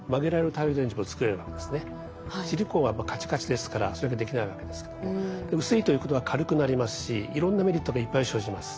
シリコンはカチカチですからそれができないわけですけども薄いということは軽くなりますしいろんなメリットがいっぱい生じます。